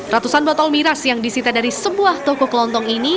ratusan botol miras yang disita dari sebuah toko kelontong ini